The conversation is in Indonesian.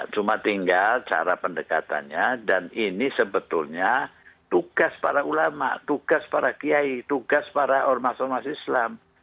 cuma tinggal cara pendekatannya dan ini sebetulnya tugas para ulama tugas para kiai tugas para ormas ormas islam